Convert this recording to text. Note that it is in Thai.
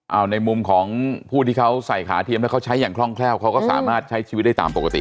เอาในมุมของผู้ที่เขาใส่ขาเทียมแล้วเขาใช้อย่างคล่องแคล่วเขาก็สามารถใช้ชีวิตได้ตามปกติ